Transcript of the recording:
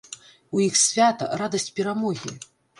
У іх свята, радасць перамогі.